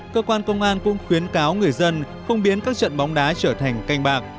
cơ quan công an cũng khuyến cáo người dân không biến các trận bóng đá trở thành canh bạc